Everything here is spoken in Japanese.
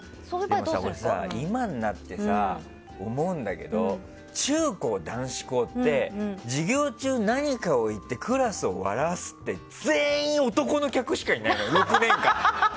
俺さ、今になってさ思うんだけど中高、男子校って授業中に何かを言ってクラスを笑わせるって全員、男の客しかいないの６年間。